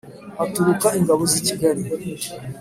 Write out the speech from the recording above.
haturuka ingabo z'i kigali,